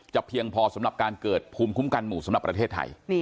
เพียงพอสำหรับการเกิดภูมิคุ้มกันหมู่สำหรับประเทศไทย